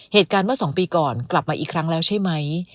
เหตุการณ์เมื่อ๒ปีก่อนกลับมาอีกครั้งแล้วใช่ไหม